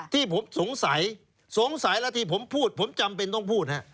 ที่ผมสงสัยสงสัยแล้วที่ผมพูดผมจำเป็นต้องพูดฮะ